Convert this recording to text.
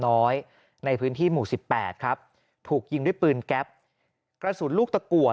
น้อยในพื้นที่หมู่สิบแปดครับถูกยิงด้วยปืนแก๊ปกระสุนลูกตะกัว